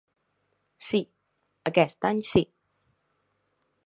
Sí, aquest any sí.